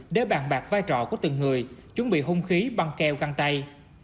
để bàn bạc vai trò của từng người chuẩn bị hung khí băng keo găng tay